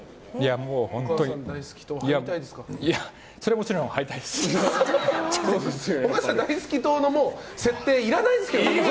もう、お母さん大好き党の設定いらないですけどね。